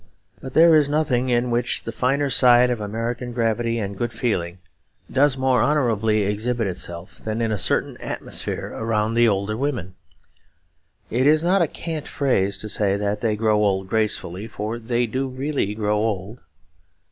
But there is nothing in which the finer side of American gravity and good feeling does more honourably exhibit itself than in a certain atmosphere around the older women. It is not a cant phrase to say that they grow old gracefully; for they do really grow old.